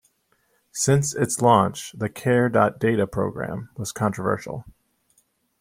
Since its launch, the care.data program was controversial.